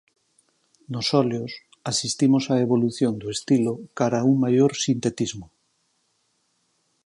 Nos óleos asistimos á evolución do estilo cara a un maior sintetismo.